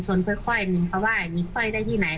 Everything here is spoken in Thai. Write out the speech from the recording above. ชนค่อยค่อยหนึ่งเพราะว่าอย่างนี้ค่อยได้ที่ไหน